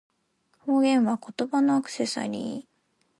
方言は、言葉のアクセサリー